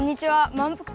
まんぷく